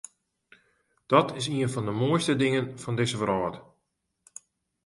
Dat is ien fan de moaiste dingen fan dizze wrâld.